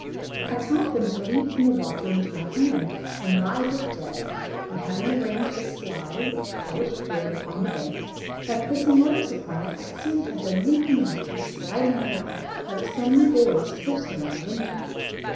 I taught them to leap from the water into my hand, and lie as if dead; and having arranged a slide of polished wood upon the bank, by placing worms upon it I soon had them leaping out and sliding down like so many boys coasting in the winter.